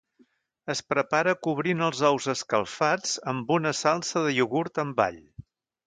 Es prepara cobrint els ous escalfats amb una salsa de iogurt amb all.